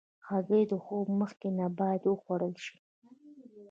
هګۍ د خوب مخکې نه باید وخوړل شي.